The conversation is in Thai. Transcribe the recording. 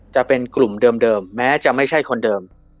จะเป็นกลุ่มเดิมแม้จะไม่ใช่คนเดิม